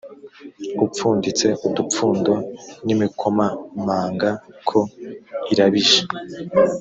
upfunditse udupfundo n imikomamanga ko irabije